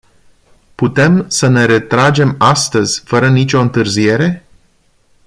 Putem sa ne retragem astăzi, fără nicio întârziere?